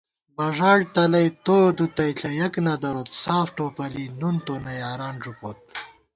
بݫاڑ تلَئ تو دُتَئیݪہ یَک نہ دروت، ساف ٹوپَلی نُن تونہ یاران ݫُپوت